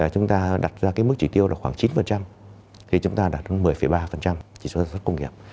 chúng ta đặt ra mức chỉ tiêu khoảng chín thì chúng ta đạt được một mươi ba chỉ số sản xuất công nghiệp